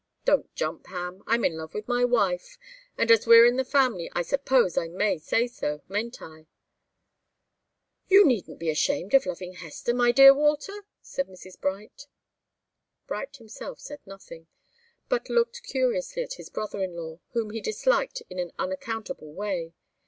Don't jump, Ham! I'm in love with my wife, and as we're in the family I suppose I may say so, mayn't I?" "You needn't be ashamed of loving Hester, my dear Walter!" cried Mrs. Bright. Bright himself said nothing, but looked curiously at his brother in law, whom he disliked in an unaccountable way.